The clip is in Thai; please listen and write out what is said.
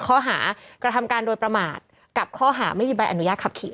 ข้อหากระทำการโดยประมาทกับข้อหาไม่มีใบอนุญาตขับขี่